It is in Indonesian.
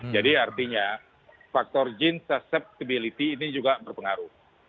jadi artinya faktor gene susceptibility ini juga berpengaruh